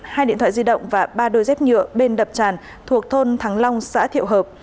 hai điện thoại di động và ba đôi dép nhựa bên đập tràn thuộc thôn thắng long xã thiệu hợp